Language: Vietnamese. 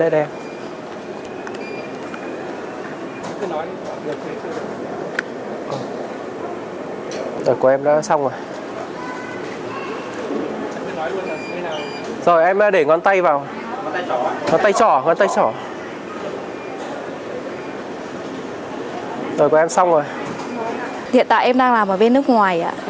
đây đây đây